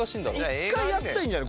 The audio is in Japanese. １回やったらいいんじゃない？